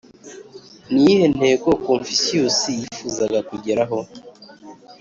ni iyihe ntego confucius yifuzaga kugeraho?